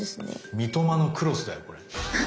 三苫のクロスだよこれ。